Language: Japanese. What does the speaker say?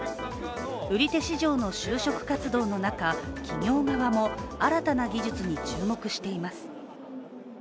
売手市場の就職活動の中企業側も新たな技術に注目しています。